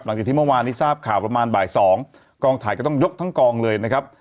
หลังจากที่เมื่อวานนี้ทราบข่าวประมาณบ่าย๒กองถ่ายก็ต้องยกทั้งกองเลยนะครับ